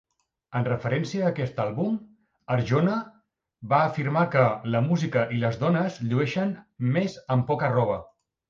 En referència a aquest àlbum, Arjona va afirmar que "la música i les dones llueixen més amb poca roba".